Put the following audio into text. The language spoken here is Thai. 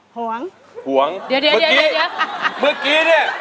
เมื่อกี้เนี่ย